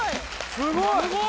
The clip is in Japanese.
すごい！